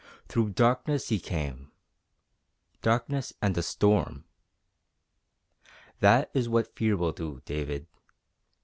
Through darkness he came darkness and a storm. That is what fear will do, David.